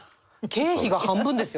経費が半分ですよ。